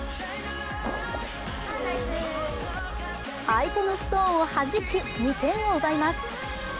相手のストーンをはじき、２点を奪います。